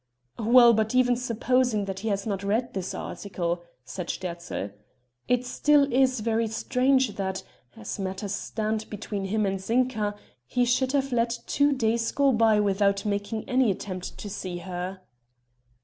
"Well, but even supposing that he has not read this article," said Sterzl, "it still is very strange that, as matters stand between him and Zinka, he should have let two days go by without making any attempt to see her."